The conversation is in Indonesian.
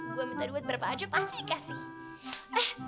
udah duit berapa aja pasti dikasih